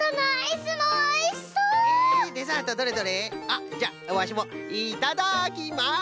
あっじゃあわしもいただきます！